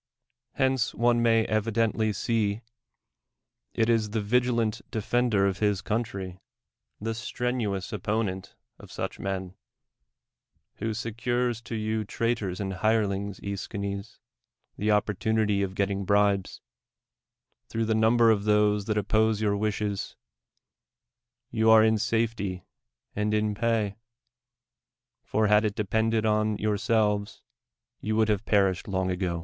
Hence one may evidently see. it is the vigilant defender of his country, tlie strenuous op])on('nt of su' h iiicn, who secures to you traitors and hirelings, J'sdiines, the oppor tunity of getting bribes: through the innnl)er of those tluit opposo \ our wishes, you are in safety and in j>;iy : for }i;ii! il (Irpcudcd on youi'selves, you would have prrishcd long ago.